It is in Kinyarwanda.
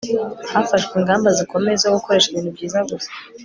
Hafashwe ingamba zikomeye zo gukoresha ibintu byiza gusa